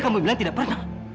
kamu bilang tidak pernah